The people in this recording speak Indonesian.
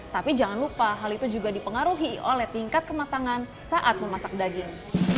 tapi jangan lupa hal itu juga dipengaruhi oleh tingkat kematangan saat memasak daging